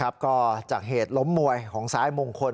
ซักเหต่อล้อมมวยของสายมงคล